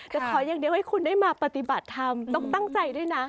แต่ขออย่างเดียวให้คุณได้มาปฏิบัติธรรมต้องตั้งใจด้วยนะ